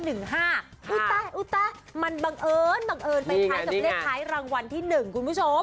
อุ๊ยต้ายมันบังเอิญไปไทซ์จากเลขไทยรางวัลที่๑คุณผู้ชม